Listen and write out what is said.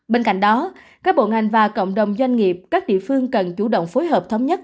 bên cạnh đó các bộ ngành và cộng đồng doanh nghiệp các địa phương cần chủ động phối hợp thống nhất